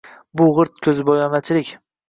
Bu g`irt ko`zbo`yamachilik